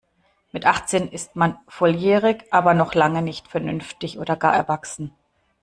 Mit achtzehn ist man volljährig, aber noch lange nicht vernünftig oder gar erwachsen.